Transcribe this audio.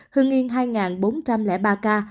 hương yên hai bốn trăm linh ba ca